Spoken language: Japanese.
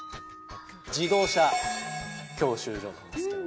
自動車教習所なんですけどもね。